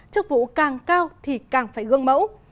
chức vụ càng cao thì càng phải gương mẫu